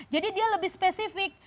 jadi dia lebih spesifik